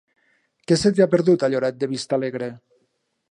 Què se t'hi ha perdut, a Lloret de Vistalegre?